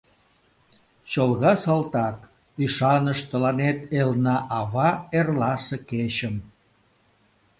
Чолга салтак, ӱшаныш тыланет элна-ава эрласе кечым.